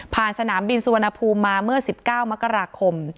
สนามบินสุวรรณภูมิมาเมื่อ๑๙มกราคม